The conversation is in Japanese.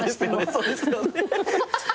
そうですよね。